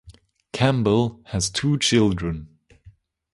Campbell has two children.